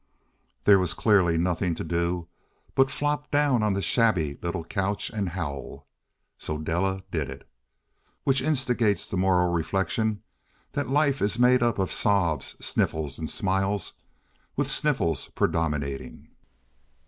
There was clearly nothing to do but flop down on the shabby little couch and howl. So Della did it. Which instigates the moral reflection that life is made up of sobs, sniffles, and smiles, with sniffles predominating.